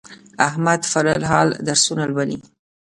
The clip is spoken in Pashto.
احمد فل الحال درسونه لولي.